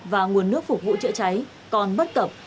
và nguồn nước phục vụ chữa cháy còn bất cập